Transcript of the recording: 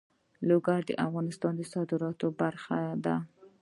لوگر د افغانستان د صادراتو برخه ده.